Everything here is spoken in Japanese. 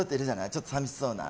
ちょっと寂しそうな。